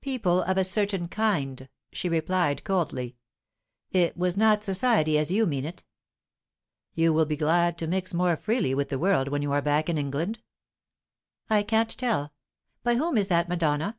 "People of a certain kind," she replied coldly. "It was not society as you mean it." "You will be glad to mix more freely with the world, when you are back in England?" "I can't tell. By whom is that Madonna?"